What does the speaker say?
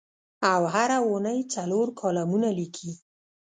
او هره اوونۍ څلور کالمونه لیکي.